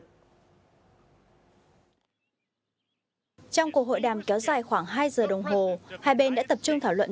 trong cuộc hội đàm kéo dài khoảng hai giờ đồng hồ hai bên đã tập trung thảo luận